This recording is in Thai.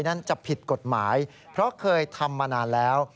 นั้นจะผิดกฎหมายเพราะเคยทำมานานแล้ว